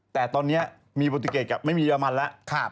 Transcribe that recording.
แต่ตอนนี้มีโปรตูเกตกับไม่มีเรมันแล้ว